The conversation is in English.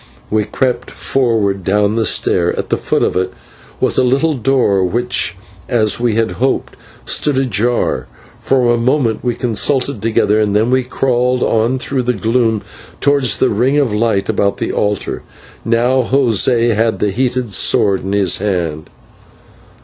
We crept forward down the stair. At the foot of it was a little door, which, as we had hoped, stood ajar. For a moment we consulted together, then we crawled on through the gloom towards the ring of light about the altar. Now José had the heated sword in his hand.